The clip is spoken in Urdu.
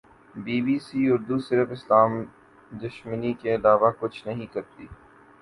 بی بی سی اردو صرف اسلام دشمنی کے علاوہ کچھ نہیں کرتی